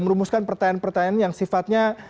merumuskan pertanyaan pertanyaan yang sifatnya